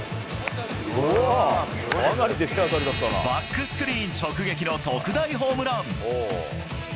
バックスクリーン直撃の特大ホームラン。